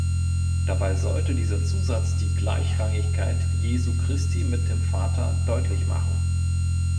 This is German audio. Dabei sollte dieser Zusatz die Gleichrangigkeit Jesu Christi mit dem Vater deutlich machen.